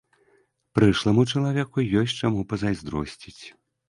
Прышламу чалавеку ёсць чаму пазайздросціць.